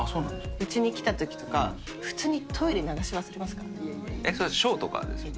うちに来たときとか、普通にトイレ流し忘れますからね。